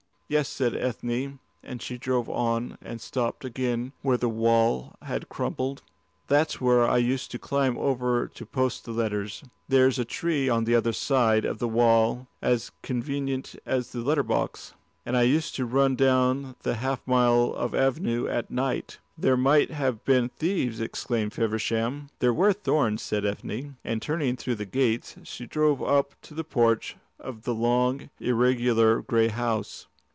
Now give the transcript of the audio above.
"Yes," said Ethne, and she drove on and stopped again where the park wall had crumbled. "That's where I used to climb over to post the letters. There's a tree on the other side of the wall as convenient as the letter box. I used to run down the half mile of avenue at night." "There might have been thieves," exclaimed Feversham. "There were thorns," said Ethne, and turning through the gates she drove up to the porch of the long, irregular grey house.